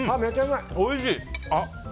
おいしい！